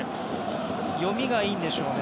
読みがいいんでしょうね。